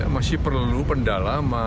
masih perlu pendalam